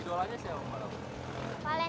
idol aja siapa pembalap